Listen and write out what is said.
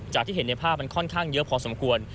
ที่เห็นในภาพมันค่อนข้างเยอะพอสมควร